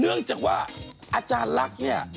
เนื่องจากว่าอาจารย์ลักษณ์เนี่ย